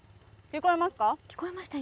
聞こえました、今。